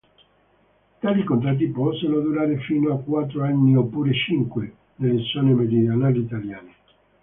Tali contratti possono durare fino a quattro anni oppure cinque, nelle zone meridionali italiane.